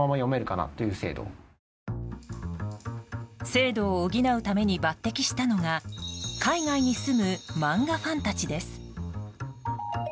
精度を補うために抜擢したのが海外に住む漫画ファンたちです。